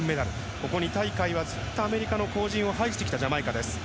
ここ２大会はずっとアメリカの後塵を拝してきたジャマイカです。